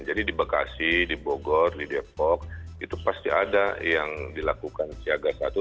jadi di bekasi di bogor di depok itu pasti ada yang dilakukan siaga satu